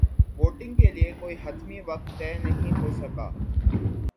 voting کے لیے کوئی حتمی وقت طے نہیں ہو سکا